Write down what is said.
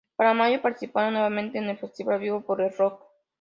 Para mayo participaron nuevamente en el Festival 'Vivo por el Rock'.